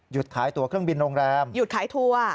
ขายตัวเครื่องบินโรงแรมหยุดขายทัวร์